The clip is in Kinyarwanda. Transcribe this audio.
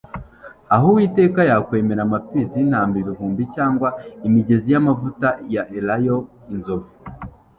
Aho Uwiteka yakwemera amapfizi y'intama ibihumbi cyangwa imigezi y'amavuta ya Elayo inzovu ?